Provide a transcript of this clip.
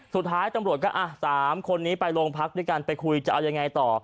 สุดท้ายตำรวจก็๓คนนี้ไปโรงพักด้วยกันไปคุยจะเอายังไงต่อ